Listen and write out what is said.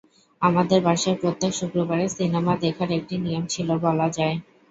আমাদের বাসায় প্রত্যেক শুক্রবারে সিনেমা দেখার একটা নিয়ম ছিল বলা যায়।